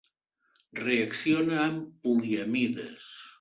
Reacciona amb poliamides.